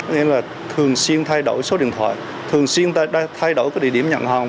nên là thường xuyên thay đổi số điện thoại thường xuyên thay đổi địa điểm nhận hàng